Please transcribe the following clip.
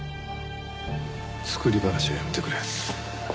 作り話はやめてくれ。